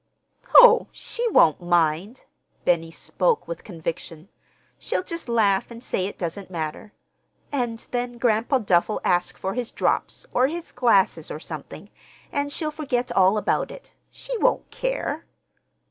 "Ho! She won't mind." Benny spoke with conviction. "She'll just laugh and say it doesn't matter; and then Grandpa Duff'll ask for his drops or his glasses, or something, and she'll forget all about it. She won't care."